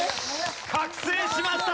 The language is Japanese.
覚醒しました！